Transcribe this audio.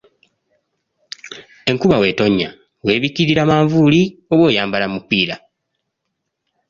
Enkuba bw'etonnya, weebikkirira manvuuli oba oyambala omupiira.